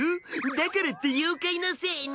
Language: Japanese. だからって妖怪のせいに。